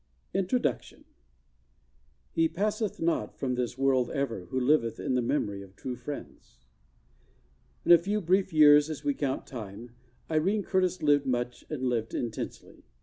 INTRODUCTION "He passeth not from this world, ever, Who liveth in the memory of true friends" I N a few brief years as we count time Irene Curtis lived much and lived intensely.